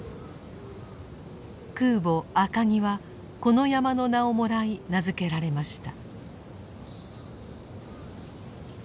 空母「赤城」はこの山の名をもらい名付けられました。